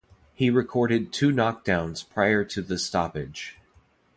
He recorded two knockdowns prior to the stoppage.